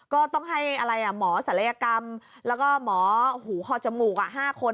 ก็ต้องให้อะไรหมอศัลยกรรมแล้วก็หมอหูคอจมูก๕คน